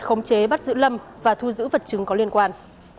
khống chế bắt giữ lâm và thu giữ vật chứng có liên quan